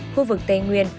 khu vực tây nguyên